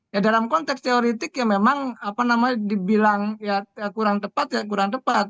ya dalam konteks teoretik ya memang apa namanya dibilang ya kurang tepat ya kurang tepat